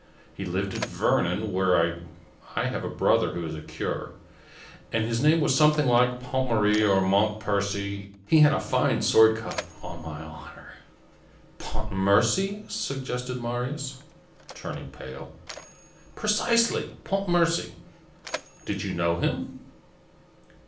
He lived at Vernon, where I have a brother who is a curé, and his name was something like Pontmarie or Montpercy. He had a fine sword cut, on my honor." "Pontmercy," suggested Marius, turning pale. "Precisely, Pontmercy. Did you know him?"